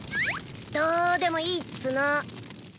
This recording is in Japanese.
どーでもいいっつの。